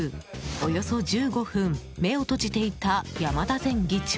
およそ１５分目を閉じていた山田前議長。